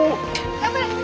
頑張れ！